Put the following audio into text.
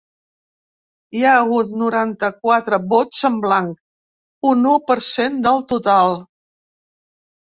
Hi ha hagut noranta-quatre vots en blanc, un u per cent del total.